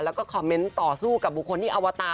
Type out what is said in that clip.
แล้วก็คอมเมนต์ต่อสู้กับบุคคลที่อวตา